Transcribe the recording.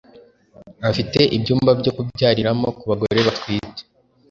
afite ibyumba byo kubyariramo ku bagore batwite